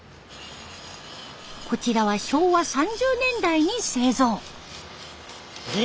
こちらは昭和３０年代に製造。